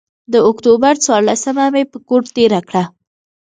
د اکتوبر څورلسمه مې پر کور تېره کړه.